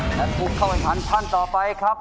และปุ๊บเข้าให้ทันท่านต่อไปครับ